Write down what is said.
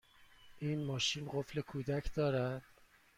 این ماشین قفل کودک دارد؟